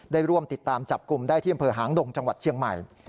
ได้ร่วมติดตามจับกลุ่มได้ที่อำเภอหางดงจังหวัดเชียงใหม่